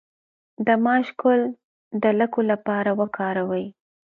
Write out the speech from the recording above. د ماش ګل د لکو لپاره وکاروئ